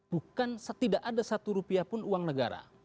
bukan tidak ada satu rupiah pun uang negara